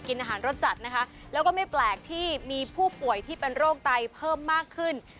อาหารรสจัดนะคะแล้วก็ไม่แปลกที่มีผู้ป่วยที่เป็นโรคไตเพิ่มมากขึ้น